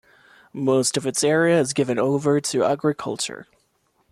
Most of its area is given over to agriculture.